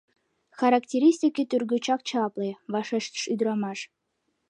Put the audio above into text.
— Характеристике тӱргочак чапле, — вашештыш ӱдырамаш.